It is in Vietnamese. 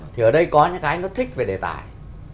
thì ở đây có những cái nó thích về đề tài